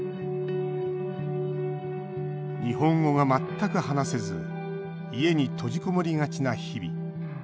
日本語が全く話せず家に閉じこもりがちな日々。